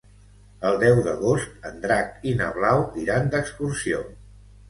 El deu d'agost en Drac i na Blau iran d'excursió.